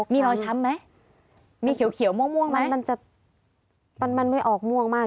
มีรอยช้ำไหมมีเขียวม่วงไหมมันจะมันไม่ออกม่วงมาก